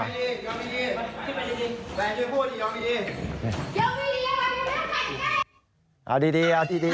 เอาดีเอาดีนะฮะ